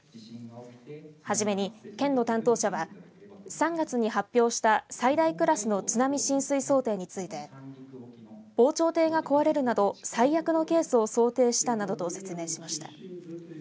はじめに県の担当者は３月に発表した最大クラスの津波浸水想定について防潮堤が壊れるなど最悪のケースを想定したなどと説明しました。